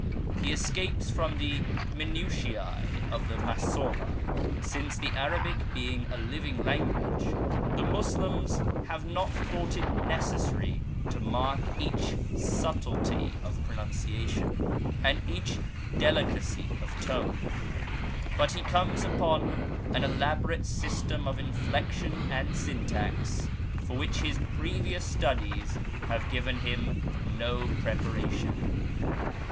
He escapes from the minutiae of the Massora, since the Arabic being a living language the Moslems have not thought it necessary to mark each subtlety of pronunciation, and each delicacy of tone ; but he comes upon an elaborate system of inflection and syntax for which his previous studies have given him no pre paration.